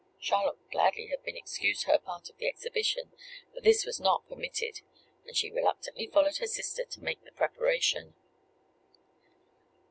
Charlotte would gladly have been excused her part of the exhibition; but this was not permitted; and she reluctantly followed her sister to make the preparation.